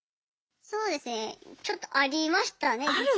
そうですねちょっとありましたね。